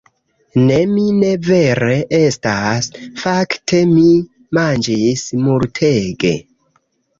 Ne, mi ne vere estas... fakte mi manĝis multege